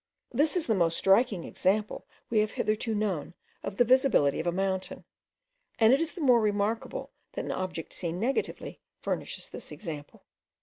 This is the most striking example we have hitherto known of the visibility of a mountain; and it is the more remarkable, that an object seen negatively furnishes this example.